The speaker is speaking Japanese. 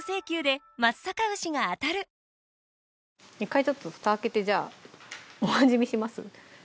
１回ちょっとふた開けてじゃあお味見します？